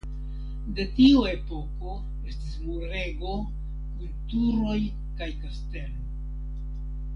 De tiu epoko estis murego kun turoj kaj kastelo.